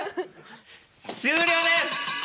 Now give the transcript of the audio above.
終了です！